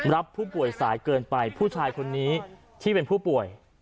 รับผู้ป่วยสายเกินไปผู้ชายคนนี้ที่เป็นผู้ป่วย